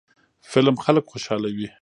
فلم خلک خوشحالوي